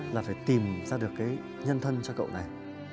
là phải tìm ra được cái nhân thân cho cậu này